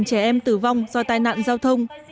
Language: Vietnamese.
có khoảng hai trẻ em tử vong do tai nạn giao thông